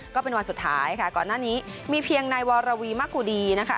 ก็เป็นวันสุดท้ายค่ะก่อนหน้านี้มีเพียงนายวรวีมะกุดีนะคะ